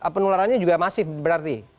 penularannya juga masif berarti